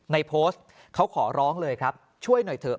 ในโพสต์เขาขอร้องเลยครับช่วยหน่อยเถอะ